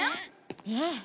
ええ。